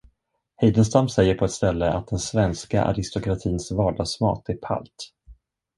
Heidenstam säger på ett ställe att den svenska aristokratins vardagsmat är palt.